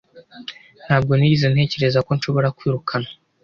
Ntabwo nigeze ntekereza ko nshobora kwirukanwa.